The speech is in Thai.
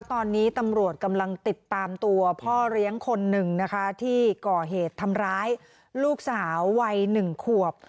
ตอนนี้ตำรวจกำลังติดตามตัวพ่อเลี้ยงคนหนึ่งนะคะที่ก่อเหตุทำร้ายลูกสาววัย๑ขวบ